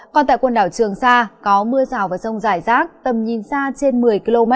còn tại quần đảo trường sa có mưa rào vào sông giải giác tầm nhìn xa trên một mươi km